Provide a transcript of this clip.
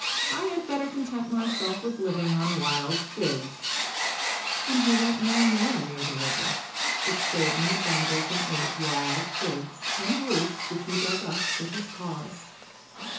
I had better content myself with living on wild figs," and he went no more near the river, but stayed in the jungles and ate wild figs, and roots which he dug up with his paws.